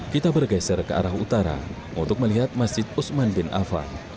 kita bergeser ke arah utara untuk melihat masjid usman bin afan